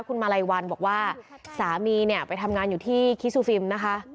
คุณมาลัยวันบอกว่าสามีเนี่ยไปทำงานอยู่ที่คิซูฟิล์มนะคะ